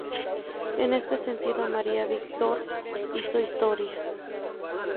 En este sentido, María Víctor hizo historia.